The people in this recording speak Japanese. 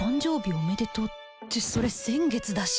おめでとうってそれ先月だし